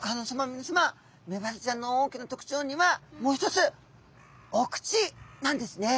みなさまメバルちゃんの大きな特徴にはもう一つお口なんですね。